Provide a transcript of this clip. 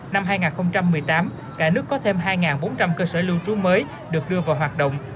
năm hai nghìn một mươi tám cả nước có thêm hai bốn trăm linh cơ sở lưu trú mới được đưa vào hoạt động